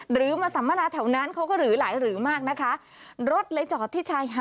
โหสุดยอดเลย